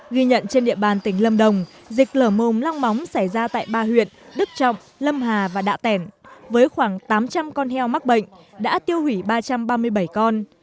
ghi nhận trên địa bàn tỉnh lâm đồng dịch lở mồm long móng xảy ra tại ba huyện đức trọng lâm hà và đạ tẻn với khoảng tám trăm linh con heo mắc bệnh đã tiêu hủy ba trăm ba mươi bảy con